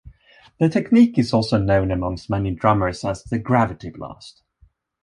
The technique is also known amongst many drummers as the gravity blast.